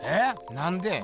なんで？